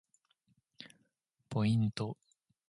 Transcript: ポイント